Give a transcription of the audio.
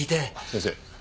先生。